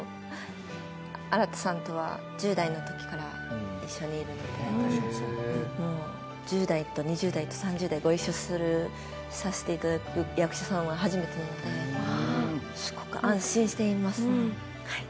新さんとは１０代のときから一緒にやってきて、１０代と２０代と３０代、ご一緒させていただく役者さんは初めてなのですごく安心しています。